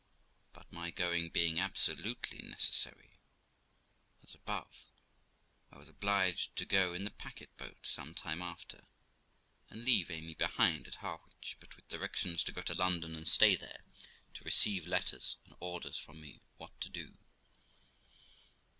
But, my going being absolutely necessary, as above, I was obliged to go in the packet boat some time after, and leave Amy behind at Harwich, but with directions to go to London and stay there to receive letters and orders from me what to do.